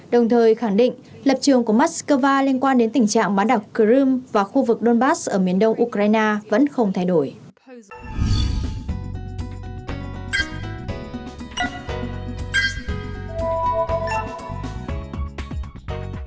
đồng thời khẳng định lập trường của moscow liên quan đến tình trạng bán đặc crimea và khu vực donbass ở miền đông ukraine vẫn không thay đổi